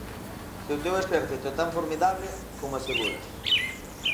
Se o teu exército é tan formidable como aseguras.